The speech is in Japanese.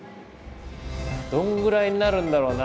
どのぐらいになるんだろうな？